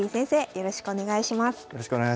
よろしくお願いします。